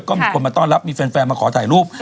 ก็มีคนมาต้อนรับมีแฟนมาขอถ่ายรูป